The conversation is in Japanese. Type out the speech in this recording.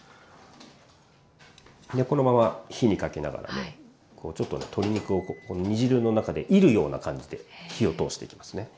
でこのまま火にかけながらねこうちょっとね鶏肉をこの煮汁の中でいるような感じで火を通していきますね。